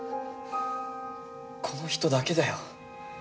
この人だけだよ。